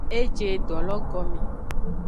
E je edolo gome.